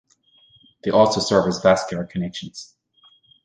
They also serve as vascular connections.